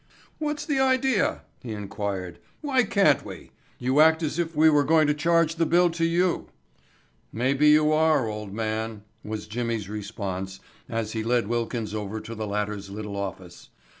"What's the idea?" he inquired. "Why can't we? You act as if we were going to charge the bill to you." "Maybe you are, old man," was Jimmy's response as he led Wilkins over to the latter's little office.